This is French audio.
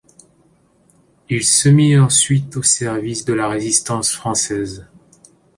Il se mit ensuite au service de la Résistance française.